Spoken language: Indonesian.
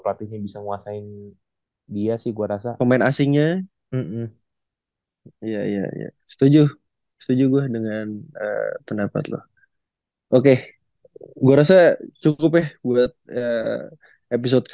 sama sama banyan dan fornos